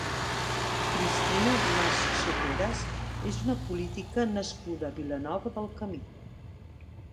Cristina Mas Soteras és una política nascuda a Vilanova del Camí.